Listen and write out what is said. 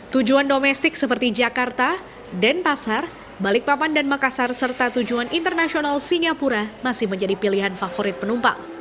tujuan domestik seperti jakarta denpasar balikpapan dan makassar serta tujuan internasional singapura masih menjadi pilihan favorit penumpang